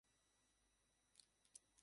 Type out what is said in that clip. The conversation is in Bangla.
এ চুক্তিকে তিনি স্বপ্ন সত্য হয়েছে বলে জানান।